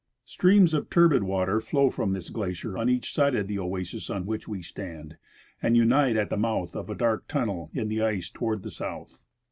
Streams of turbid water flow from this glacier on each side of the oasis on which we stand and unite at the mouth of a dark tunnel in the ice toward the south.